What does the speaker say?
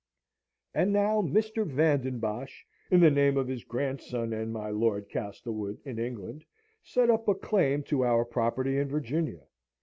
And now Mr. Van den Bosch, in the name of his grandson and my Lord Castlewood, in England, set up a claim to our property in Virginia.